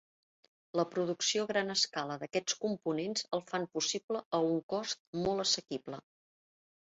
La producció a gran escala d'aquests components el fan possible a un cost molt assequible.